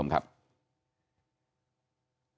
ผมคิดว่า